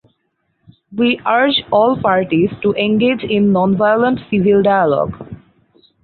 We urge all parties to engage in nonviolent civil dialogue.